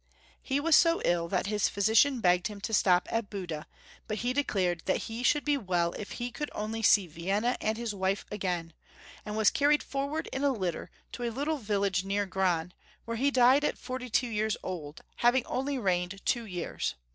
He was so ill that his physician begged him to stop at Buda, but he declared that he should be well ii he could only see Vienna and hia wife again, and was carried for ward in a litter to a little village near Gran, where he died at forty two years old, hav ing only reigned two years.